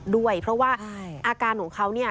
ด้วยเพราะว่า